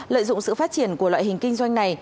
lợi dụng sự phát triển của loại hình kinh doanh này